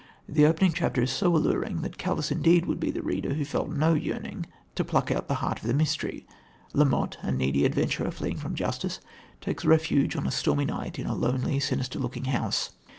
The opening chapter is so alluring that callous indeed would be the reader who felt no yearning to pluck out the heart of the mystery. La Motte, a needy adventurer fleeing from justice, takes refuge on a stormy night in a lonely, sinister looking house.